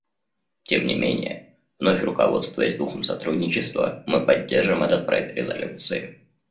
Тем не менее, вновь руководствуясь духом сотрудничества, мы поддержим этот проект резолюции.